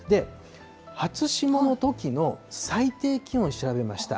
初霜のときの最低気温調べました。